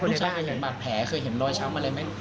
ลูกชายเคยเห็นหลายแผลเห็นรอยช้ำอะไรไหม